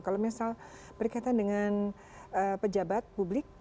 kalau misal berkaitan dengan pejabat publik